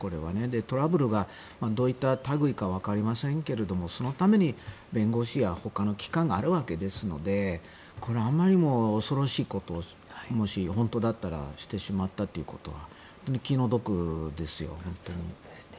トラブルがどういった類かわかりませんがそのために弁護士やほかの機関があるわけですのでこれはあまりにも恐ろしいことをもし本当だったらしてしまったということは気の毒ですよね。